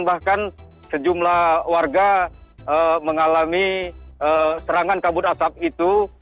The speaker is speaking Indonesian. bahkan sejumlah warga mengalami serangan kabut asap itu